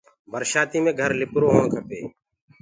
برسآتيٚ مي گھر لِپرو هوڻ کپي۔